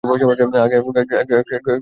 আগে ট্রেন থেকে নামতে দে।